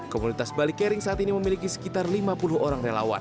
komunitas bali caring saat ini memiliki sekitar lima puluh orang relawan